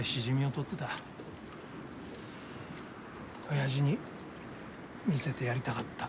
おやじに見せてやりたかった。